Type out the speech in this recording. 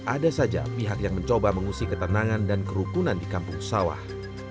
ada saja pihak yang mencoba mengusik ketenangan dan kerukunan di kampung sawah